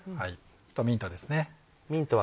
あとミントですね。